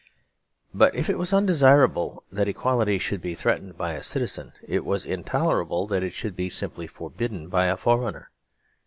But if it was undesirable that equality should be threatened by a citizen, it was intolerable that it should be simply forbidden by a foreigner.